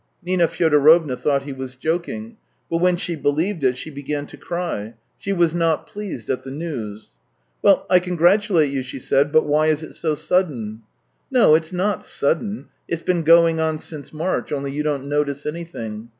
Nina Fyodorovna thought he was joking, but when she believed it, she began to cry; she was not pleased at the news. " Well, I congratulate you," she said. " But why is it so sudden ?"" No, it's not sudden. It's been going on since March, only you don't notice anything.